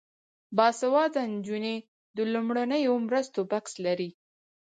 باسواده نجونې د لومړنیو مرستو بکس لري.